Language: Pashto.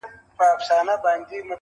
په وهلو یې ورمات کړله هډونه،